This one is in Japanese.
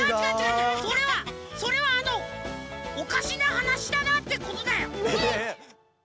それはそれはあのおかしなはなしだなってことだよ。